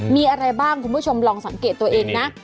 มีอะไรบ้างคุณผู้ชมลองสังเกตตัวเองนะ